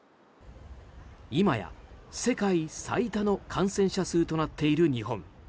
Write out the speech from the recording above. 今や、世界最多の感染者数となっている日本。